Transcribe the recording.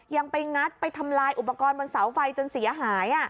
ยังไปงัดไปทำลายอุปกรณ์บนเสาไฟจนเสียหาย